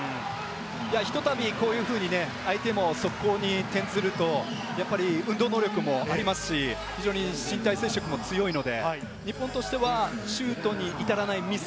ひと度、こういうふうに相手も速攻に転ずると、運動能力もありますし、非常に身体接触も強いので、日本としてはシュートに至らないミス。